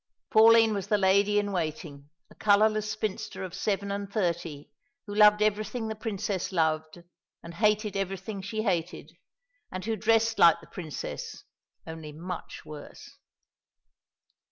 Pauline was the lady in waiting, a colourless spinster of seven and thirty, who loved everything the Princess loved, and hated everything she hated, and who dressed like the Princess, only much worse.